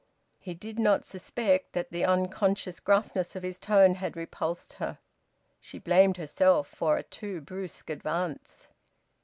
He did not suspect that the unconscious gruffness of his tone had repulsed her. She blamed herself for a too brusque advance.